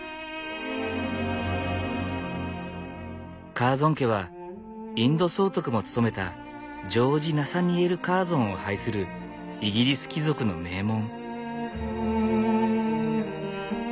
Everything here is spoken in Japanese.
カーゾン家はインド総督も務めたジョージ・ナサニエル・カーゾンを拝するイギリス貴族の名門。